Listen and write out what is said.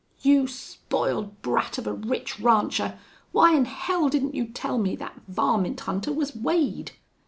"You spoiled brat of a rich rancher! Why'n hell didn't you tell me thet varmint hunter was Wade."